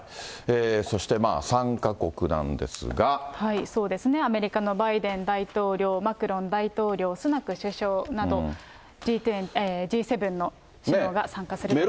そして、そうですね、アメリカのバイデン大統領、マクロン大統領、スナク首相など、Ｇ７の首脳が参加されるということです。